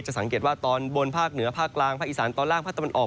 สังเกตว่าตอนบนภาคเหนือภาคกลางภาคอีสานตอนล่างภาคตะวันออก